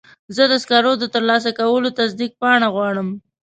زه د سکرو د ترلاسه کولو تصدیق پاڼه غواړم.